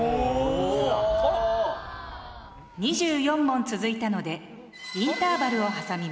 ２４問続いたのでインターバルを挟みます。